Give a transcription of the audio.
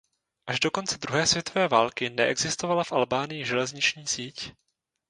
Až do konce druhé světové války neexistovala v Albánii železniční síť.